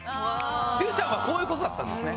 デュシャンはこういう事だったんですね。